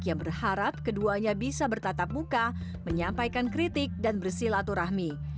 yang berharap keduanya bisa bertatap muka menyampaikan kritik dan bersilaturahmi